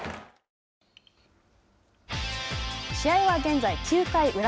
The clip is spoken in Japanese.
試合は現在９回裏。